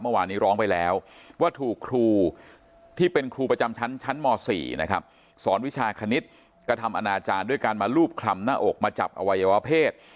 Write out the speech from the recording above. เมื่อวานนี้ร้องไปแล้วว่าถูกครูที่เป็นครูประจำชั้นม๔นะครับสอนวิชาคณิตกระทำอนาจารย์ด้วยการมารูปคลำหน้าอกมาจับอวัยวเพศ